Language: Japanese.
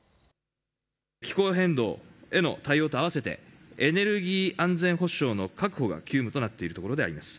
気候変動への対応とあわせてエネルギー安全保障の確保が急務となっているところであります。